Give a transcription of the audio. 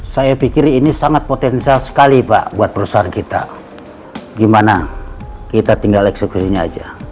saya pikir ini sangat potensial sekali pak buat perusahaan kita gimana kita tinggal eksekusinya aja